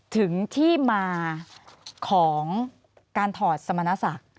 ถึงที่มาของการถอดสมณศักดิ์